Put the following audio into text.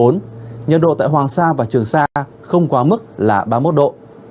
nhiệt độ tại hoàng sa và trường sa không quá mức là ba mươi một độ